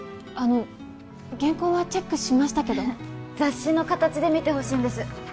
あの原稿はチェックしましたけど雑誌の形で見てほしいんです